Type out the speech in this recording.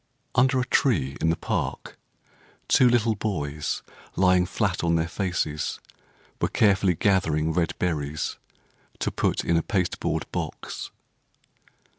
Under a tree in the park, Two little boys, lying flat on their faces, Were carefully gathering red berries To put in a pasteboard box.